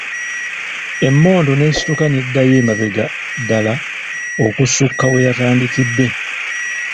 Emmondo n'esituka n'eddayo emabega ddala okusuuka weyatandikidde.